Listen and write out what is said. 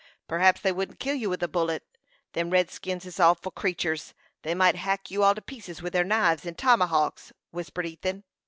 "P'rhaps they wouldn't kill you with a bullet. Them redskins is awful creeturs. They might hack you all to pieces with their knives and tomahawks," whispered Ethan.